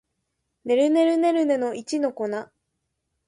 ねるねるねるねの一の粉